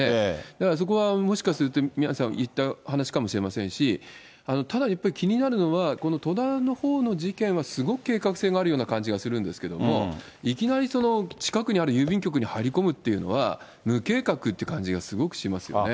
だからそこはもしかすると、宮根さん言った話かもしれませんし、ただ一方で、気になるのは、この戸田のほうの事件はすごく計画性があるような感じがするんですけども、いきなり近くにある郵便局に入り込むっていうのは、無計画っていう感じがすごくしますよね。